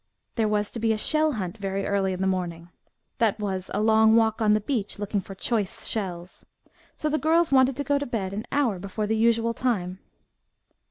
There was to be a shell hunt very early in the morning (that was a long walk on the beach, looking for choice shells), so the girls wanted to go to bed an hour before the usual time.